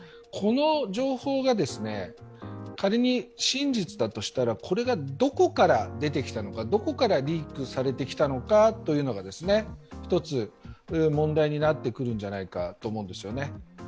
この情報が仮に真実だとしたらこれがどこから出てきたのかどこからリークされたのかというところが一つ問題になってくるんじゃないかと思うんです。